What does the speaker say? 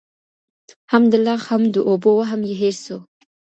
هم د لاښ هم د اوبو وهم یې هېر سو